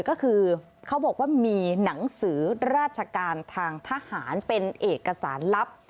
ก็คือเขาบอกว่ามีหนังสือราชการทางทหารเป็นเอกสารลับ